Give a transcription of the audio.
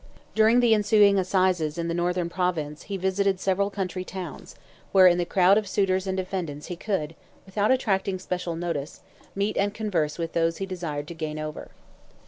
During the ensuing assizes in the Northern Province he visited several country towns, where in the crowd of suitors and defendants he could, without attracting special notice, meet and converse with those he desired to gain over.